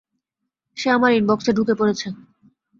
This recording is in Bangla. সে আমার ইনবক্সে ঢুকে পড়েছে।